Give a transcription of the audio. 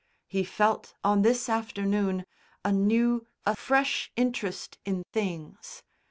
He felt, on this afternoon, a new, a fresh interest in things.